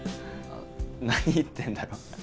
何言ってんだろう